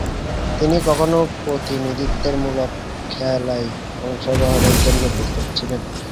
তিনি কখনো প্রতিনিধিত্বমূলক খেলায় অংশগ্রহণের জন্যে প্রস্তুত ছিলেন না।